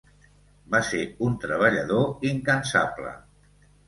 Va ser un treballador incansable.